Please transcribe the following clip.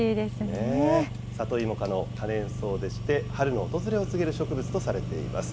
サトイモ科の多年草でして、春の訪れを告げる植物とされています。